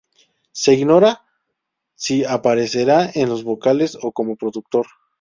Se ignora si aparecerá en los vocales o como productor.